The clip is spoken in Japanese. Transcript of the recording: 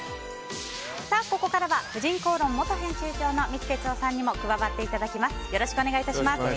ここからは「婦人公論」元編集長の三木哲男さんにも加わっていただきます。